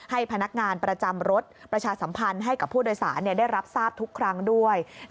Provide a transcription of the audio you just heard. ให้พนักงานประจำรถประชาสัมพันธ์ให้กับผู้โดยสารได้รับทราบทุกครั้งด้วย